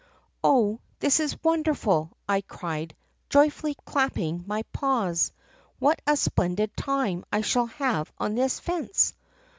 " 'Oh, this is wonderful!' I cried, joyfully clapping my paws. 'What a splendid time I shall have on this fence!